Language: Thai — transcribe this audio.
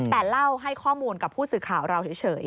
แต่เล่าให้ข้อมูลกับผู้สื่อข่าวเราเฉย